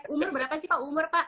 umur berapa sih pak umur pak